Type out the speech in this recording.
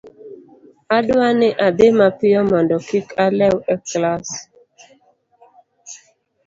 adwa ni adhi mapiyo mondo kik alew e klas